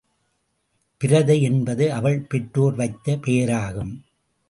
பிரதை என்பது அவள் பெற்றோர் வைத்த பெயராகும்.